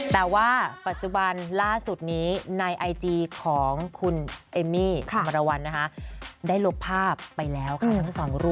แต่ว่าปะจุบันล่าสุดนี้ในไอจีของคุณเอมมี่บรรวัญนะคะได้ลบภาพไปแล้วค่ะ